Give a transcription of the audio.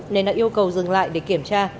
nên đã yêu cầu dừng lại để kiểm tra